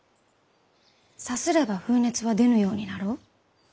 さすれば風熱は出ぬようになろう？